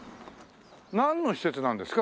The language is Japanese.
なんの施設なんですか？